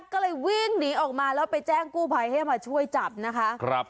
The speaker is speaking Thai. ก็เลยวิ่งหนีออกมาแล้วไปแจ้งกู้ภัยให้มาช่วยจับนะคะ